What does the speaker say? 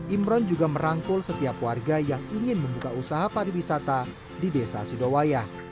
imron juga merangkul setiap warga yang ingin membuka usaha pariwisata di desa sidowayah